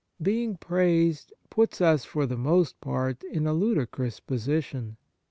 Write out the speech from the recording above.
Being praised puts us for the most part in a ludicrous posi tion.